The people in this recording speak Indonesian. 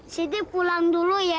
siti pulang dulu ya